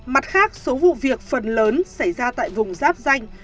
mặt khác số vụ việc phần lớn xảy ra tại vùng giáp danh